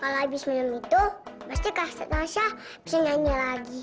kalau habis minum itu pasti kak tansyah bisa nyanyi lagi